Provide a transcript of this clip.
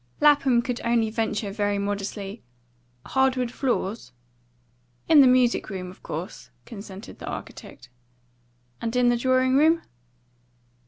Lapham could only venture very modestly, "Hard wood floors?" "In the music room, of course," consented the architect. "And in the drawing room?"